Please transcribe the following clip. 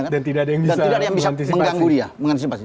dan tidak ada yang bisa mengantisipasi